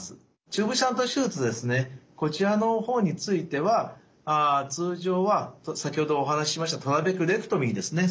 チューブシャント手術ですねこちらの方については通常は先ほどお話ししましたトラベクレクトミーですね